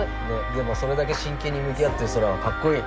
でもそれだけしんけんにむき合ってるソラはかっこいい。